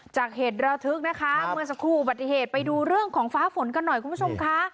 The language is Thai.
จากเห็ดระทึกนะคะมือสกู่บัตริเหตุไปดูเรื่องของฟ้าฝนกันหน่อยคุณผู้ชมคะ